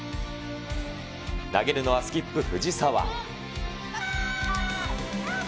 投げるのはスキップ、藤澤。